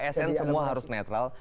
asn semua harus netral